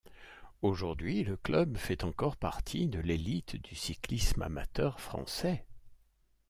Aujourd'hui, le club fait encore partie de l'élite du cyclisme amateur français.